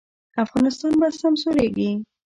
افغانستان به سمسوریږي؟